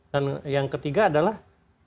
dan yang ketiga adalah